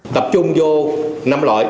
tập trung vô năm loại